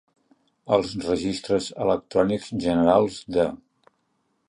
Als registres electrònics generals de:.